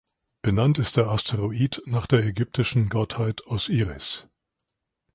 Benannt ist der Asteroid nach der ägyptischen Gottheit Osiris.